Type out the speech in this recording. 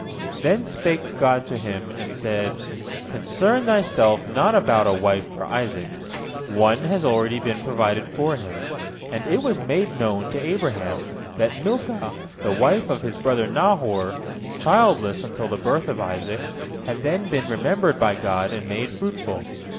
Then spake God to him, and said: "Concern thyself not about a wife for Isaac. One has already been provided for him," and it was made known to Abraham that Milcah, the wife of his brother Nahor, childless until the birth of Isaac, had then been remembered by God and made fruitful.